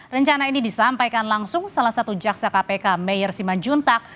rencana ini disampaikan langsung salah satu jaksa kpk mayor siman juntak